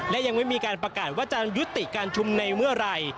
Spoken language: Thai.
และยังไม่มีการประกาศว่าจะยุติการชุมในเมื่อไหร่